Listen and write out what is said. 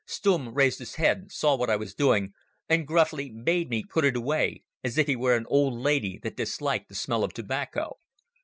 Stumm raised his head, saw what I was doing, and gruffly bade me put it away, as if he were an old lady that disliked the smell of tobacco.